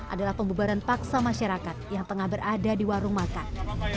adalah pembubaran paksa masyarakat yang tengah berada di warung makan